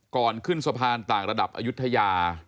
ก่อนขึ้นสะพานต่างระดับอายุทยา